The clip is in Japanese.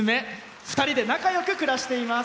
２人で仲よく暮らしています。